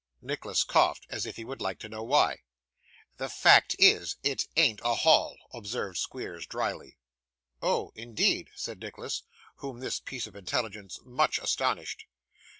Nicholas coughed, as if he would like to know why. 'The fact is, it ain't a Hall,' observed Squeers drily. 'Oh, indeed!' said Nicholas, whom this piece of intelligence much astonished.